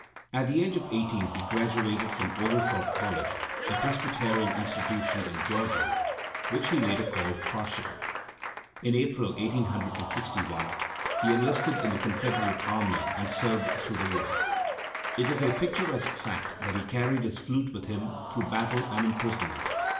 At the age of eighteen he graduated from Oglethorpe College, a Presbyterian institution in Georgia, which he Utter called "farcical." In April, 1861, he enlisted in the Confederate Army and served through the war. It is a picturesque fact that he carried his flute with him through battle and ii^risonment.